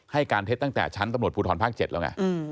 ให้การเท็จตั้งแต่ชั้นตำรวจภูทรภาค๗แล้วไง